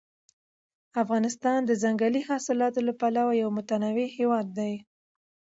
افغانستان د ځنګلي حاصلاتو له پلوه یو متنوع هېواد دی.